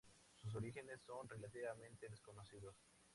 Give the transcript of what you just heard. Sus orígenes son relativamente desconocidos.